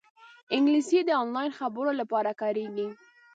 انګلیسي د آنلاین خبرو لپاره کارېږي